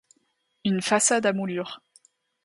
une façade à moulure